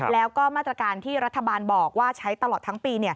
แล้วก็มาตรการที่รัฐบาลบอกว่าใช้ตลอดทั้งปี